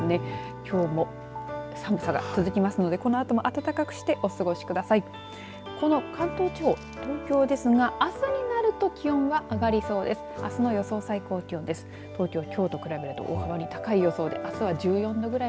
きょうも寒さが続きますのでこのあとも暖かくしてお過ごしください。